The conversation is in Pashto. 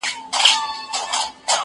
زه له سهاره انځور ګورم!؟